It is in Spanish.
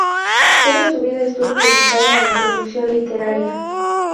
Toda su vida estuvo dedicada a la producción literaria.